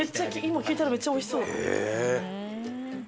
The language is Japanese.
今聞いたらめっちゃおいしそう。